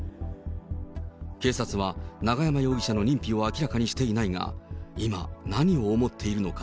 警察は永山容疑者の認否を明らかにしていないが、今、何を思っているのか。